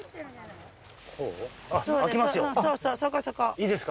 いいですか？